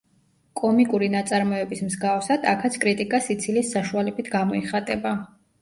კომიკური ნაწარმოების მსგავსად, აქაც კრიტიკა სიცილის საშუალებით გამოიხატება.